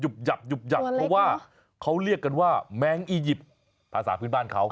หับเพราะว่าเขาเรียกกันว่าแมงอียิปต์ภาษาพื้นบ้านเขา